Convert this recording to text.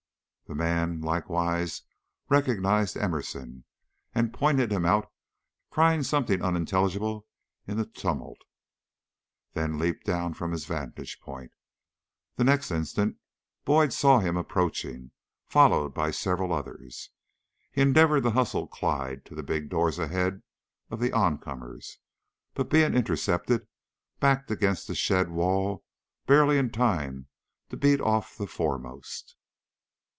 The man likewise recognized Emerson, and pointed him out, crying something unintelligible in the tumult, then leaped down from his vantage point. The next instant Boyd saw him approaching, followed by several others. He endeavored to hustle Clyde to the big doors ahead of the oncomers, but being intercepted, backed against the shed wall barely in time to beat off the foremost.